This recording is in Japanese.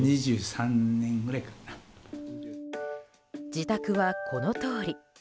自宅はこのとおり。